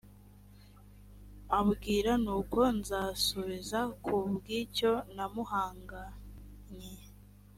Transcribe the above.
ambwira n uko nzasubiza ku bw icyo namuganyiye